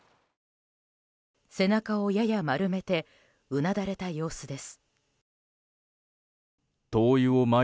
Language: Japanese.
背中をやや丸めてうなだれた様子です。